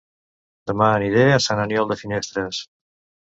Dema aniré a Sant Aniol de Finestres